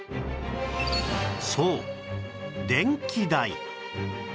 そう電気代